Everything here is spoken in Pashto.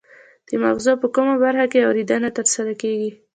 د مغزو په کومه برخه کې اوریدنه ترسره کیږي